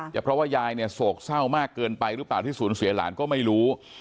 เพราะว่ายายเนี่ยโศกเศร้ามากเกินไปหรือเปล่าที่สูญเสียหลานก็ไม่รู้